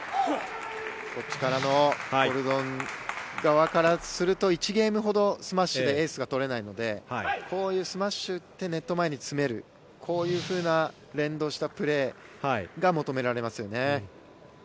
こっちからのコルドン側からすると１ゲームほどスマッシュでエースが取れないのでこういうスマッシュを打ってネット前に詰めるこういうふうな連動したプレーが求められますよね。